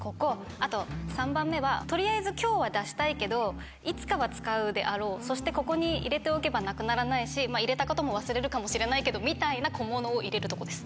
あと３番目は取りあえず今日は出したいけどいつかは使うであろうそしてここに入れておけばなくならないし入れたことも忘れるかもしれないけどみたいな小物を入れるとこです。